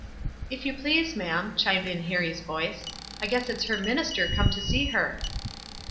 "If you please, ma'am," chimed in Harrie's voice, "I guess it's her minister come to see her."